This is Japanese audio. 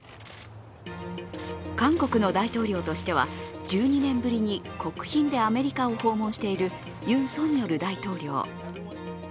韓国の大統領としては１２年ぶりに国賓でアメリカを訪問しているユン・ソンニョル大統領。